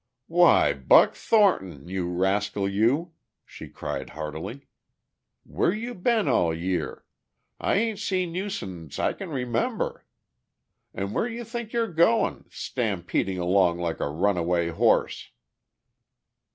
"Why, Buck Thornton, you rascal, you!" she cried heartily. "Where you been all year? I ain't seen you since I c'n remember. An' where you think you're goin', stampedin' along like a runaway horse?"